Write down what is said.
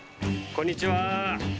こんにちは。